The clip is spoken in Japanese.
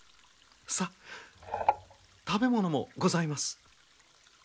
さっ食べ物もございます。